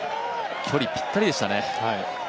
距離ぴったりでしたね。